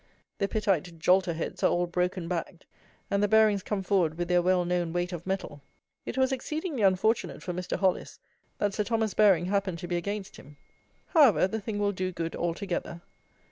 The Pittite jolter heads are all broken backed; and the Barings come forward with their well known weight of metal. It was exceedingly unfortunate for Mr. Hollis that Sir Thomas Baring happened to be against him. However, the thing will do good altogether.